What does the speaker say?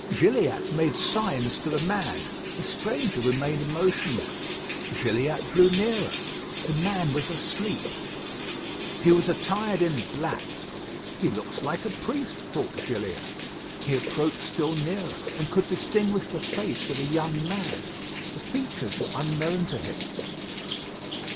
Gilliatt made signs to the man. The stranger remained motionless. Gilliatt drew nearer; the man was asleep. He was attired in black. "He looks like a priest," thought Gilliatt. He approached still nearer, and could distinguish the face of a young man. The features were unknown to him.